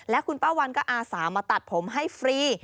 และคุณป้าวันก็อาสามาตัดผมให้ฟรี